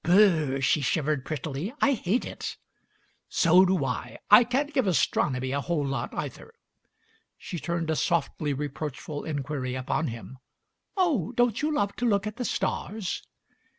"Br r!" She shivered prettily. "I hate ft " "So do I. I can't give astronomy a whole lot, either." She turned a softly reproachful inquiry upon him. "Oh, don't you love to look at the stars?"